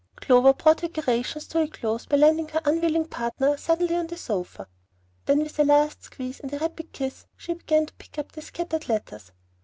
Clover brought her gyrations to a close by landing her unwilling partner suddenly on the sofa. Then with a last squeeze and a rapid kiss she began to pick up the scattered letters.